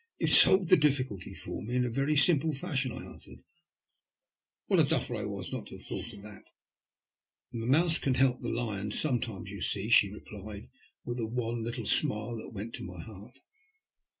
"You've solved the difficulty for me in a very Bunple fashion," I answered. *' A\Tiat a duffer I was not to have thought of that." *' The mouse can help the lion sometimes, you see," she replied, with a wan Httle smile that went to my heart.